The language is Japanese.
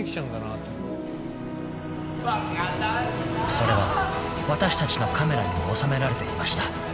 ［それは私たちのカメラにも収められていました］